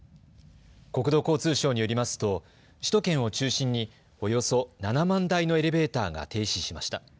国土交通省によりますと首都圏を中心におよそ７万台のエレベーターが停止しました。